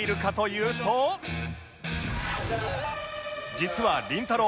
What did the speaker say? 実はりんたろー。